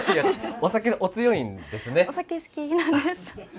お酒好きなんです。